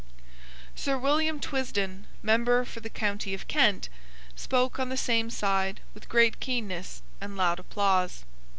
Sir William Twisden, member for the county of Kent, spoke on the same side with great keenness and loud applause.